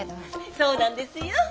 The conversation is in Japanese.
そうなんですよ！